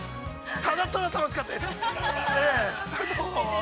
ただただ、楽しかったです。